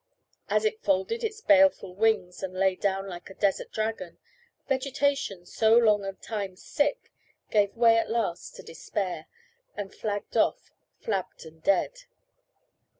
As it folded its baleful wings, and lay down like a desert dragon, vegetation, so long a time sick, gave way at last to despair, and flagged off flabbed and dead.